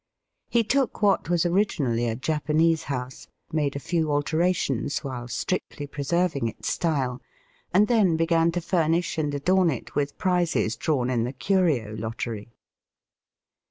He took what was originally a Japanese house, made a few alterations while strictly preserving its style, and then began to furnish and adorn it with prizes drawn in the curio lottery.